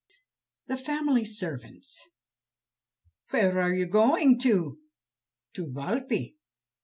The Family Servants "Where are you going to?" "To Walpe."